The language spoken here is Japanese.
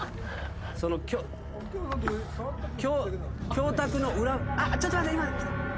教卓の裏ちょっと待って今。